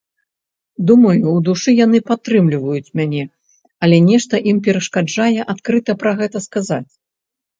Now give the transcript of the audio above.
Думаю, ў душы яны падтрымліваюць мяне, але нешта ім перашкаджае адкрыта пра гэта сказаць.